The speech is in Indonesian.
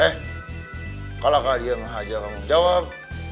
eh kalau kak dia ngajak kamu jawab